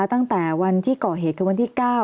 ตั้งแต่วันที่ก่อเหตุคือวันที่๙